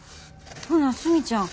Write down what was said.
ほなスミちゃん